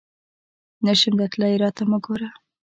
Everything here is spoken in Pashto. نه شم درتلای ، راته مه ګوره !